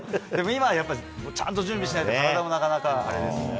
今はやっぱりちゃんと準備しないと、体もなかなかあれですね。